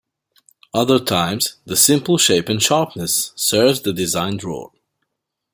Other times, the simple shape and sharpness serves the designed role.